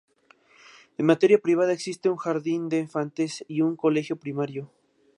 En materia privada existe un jardín de infantes y un colegio primario.